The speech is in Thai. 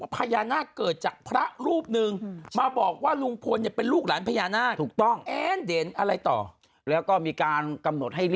เป็นเบสเฟรนด์สารแหน่ะเธอเป็นสารแหน่ะอะไรกับเขา